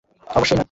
অবশ্যই নয়।